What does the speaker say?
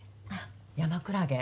山クラゲ。